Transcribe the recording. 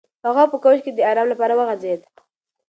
هغه په کوچ کې د ارام لپاره وغځېد.